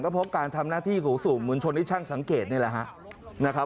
ก็เพราะการทำหน้าที่สูงหมุนชนที่ช่างสังเกตนี่แหละ